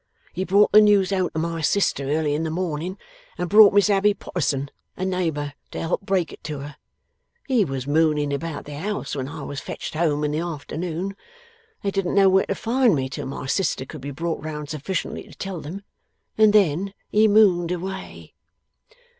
He brought the news home to my sister early in the morning, and brought Miss Abbey Potterson, a neighbour, to help break it to her. He was mooning about the house when I was fetched home in the afternoon they didn't know where to find me till my sister could be brought round sufficiently to tell them and then he mooned away.